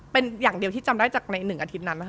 เป็นอย่างเดียวที่จำได้จากใน๑อาทิตย์นั้นนะคะ